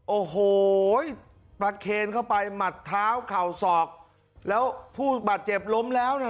โอ้โหประเคนเข้าไปหมัดเท้าเข่าศอกแล้วผู้บาดเจ็บล้มแล้วเนี่ย